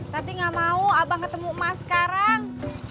tati gak mau abang ketemu emak sekarang